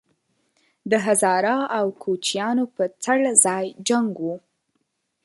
د هزاره او کوچیانو په څړځای جنګ وو